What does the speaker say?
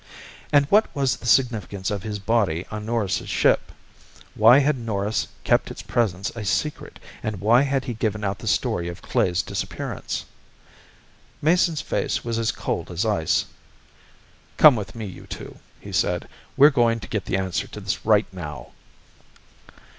And what was the significance of his body on Norris' ship? Why had Norris kept its presence a secret and why had he given out the story of Klae's disappearance? Mason's face was cold as ice. "Come with me, you two," he said. "We're going to get the answer to this right now."